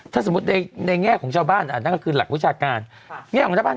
ถ้าสมมุติในในแง่ของชาวบ้านอ่ะนั่นก็คือหลักวิชาการแง่ของชาวบ้าน